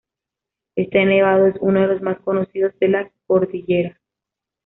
Este nevado es uno de los más conocidos de la cordillera.